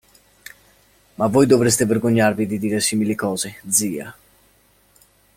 Ma voi dovreste vergognarvi di dire simili cose, zia.